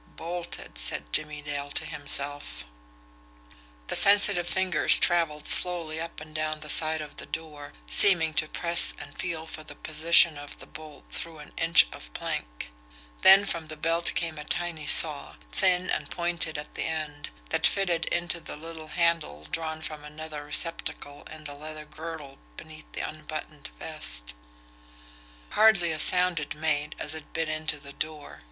"Bolted," said Jimmie Dale to himself. The sensitive fingers travelled slowly up and down the side of the door, seeming to press and feel for the position of the bolt through an inch of plank then from the belt came a tiny saw, thin and pointed at the end, that fitted into the little handle drawn from another receptacle in the leather girdle beneath the unbuttoned vest. Hardly a sound it made as it bit into the door.